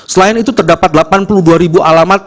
selain itu terdapat delapan puluh dua ribu alamat